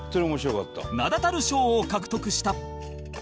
名だたる賞を獲得した